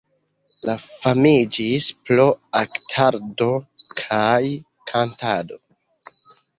Li famiĝis pro aktorado kaj kantado.